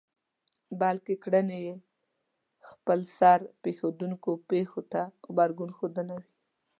بلکې کړنې يې خپلسر پېښېدونکو پېښو ته غبرګون ښودنه وي.